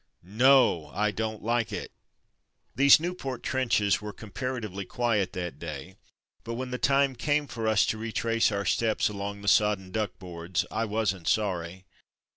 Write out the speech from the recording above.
No! I don't like it. These Nieuport trenches were compara tively quiet that day, but when the time came for us to retrace our steps along the t74 From Mud to Mufti sodden "duck boards'' I wasn't sorry.